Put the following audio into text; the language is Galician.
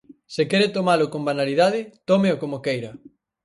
Se quere tomalo con banalidade, tómeo como queira.